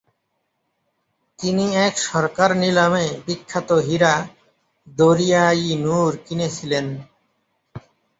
তিনি এক সরকার নিলামে বিখ্যাত হীরা দরিয়া-ই-নূর কিনেছিলেন।